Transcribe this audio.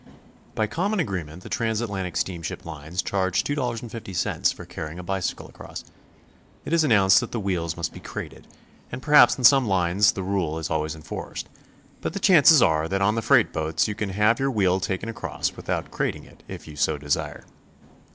By common agreement the trans Atlantic steamship lines charge $2.50 for carrying a bicycle across. It is announced that the wheels must be crated, and perhaps on some lines the rule is always enforced, but the chances are that on the freight boats you can have your wheel taken across without crating if you so desire.